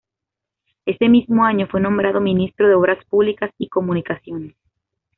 Ese mismo año fue nombrado Ministro de Obras Públicas y Comunicaciones.